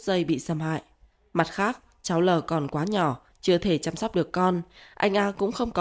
dây bị xâm hại mặt khác cháu l còn quá nhỏ chưa thể chăm sóc được con anh a cũng không có